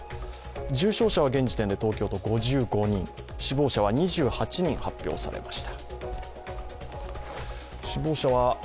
重症者は現時点で東京都５５人、死亡者は２８人発表されました。